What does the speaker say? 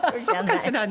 そうかしらね？